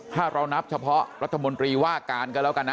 ถ้าเรานับเฉพาะรัฐมนตรีว่าการก็แล้วกันนะ